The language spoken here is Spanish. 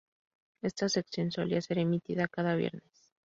Esta sección solía ser emitida cada viernes.